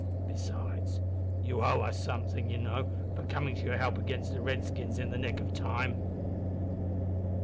Besides, you owe us something, you know, for coming to your help agin the redskins in the nick of time."